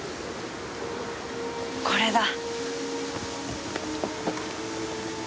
これだ！！